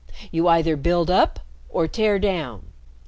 You either build up or tear down.